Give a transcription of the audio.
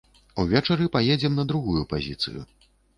Увечары паедзем на другую пазіцыю.